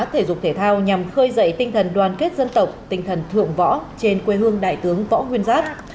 thể dục thể thao nhằm khơi dậy tinh thần đoàn kết dân tộc tinh thần thượng võ trên quê hương đại tướng võ nguyên giáp